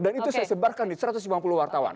terus saya sebarkan di satu ratus sembilan puluh wartawan